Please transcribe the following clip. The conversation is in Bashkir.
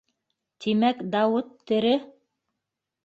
Тимәк, Дауыт тере!